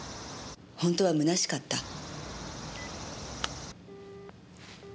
本当はむなしかった？